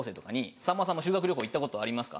さんまさんも修学旅行行ったことありますか？